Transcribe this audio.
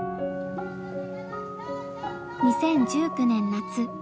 ２０１９年夏。